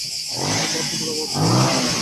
বাথরুমের অভাব কখনোই পূরণ হবে না।